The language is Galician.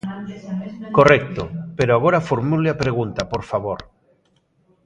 Correcto, pero agora formule a pregunta, por favor.